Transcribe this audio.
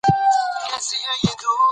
ب زر با، ب زېر بي، ب پېښ بو، با بي بو